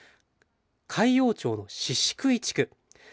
海陽町の宍喰地区。